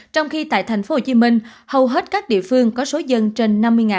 trong khi tại tp hcm hầu hết các địa phương có số dân trên năm mươi